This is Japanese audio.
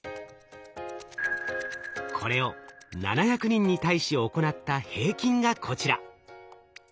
これを７００人に対し行った平均がこちら。